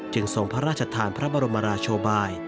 จึงส่งพระราชทางพระบรมราชโบ้ย